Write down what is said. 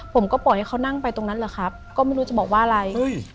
ผมก็ปล่อยให้เขานั่งไปตรงนั้นแหละครับก็ไม่รู้จะบอกว่าอะไร